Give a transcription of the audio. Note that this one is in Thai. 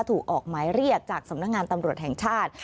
ออกหมายเรียกจากสำนักงานตำรวจแห่งชาติ